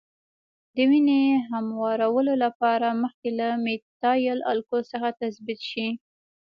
د وینې هموارولو لپاره مخکې له میتایل الکولو څخه تثبیت شي.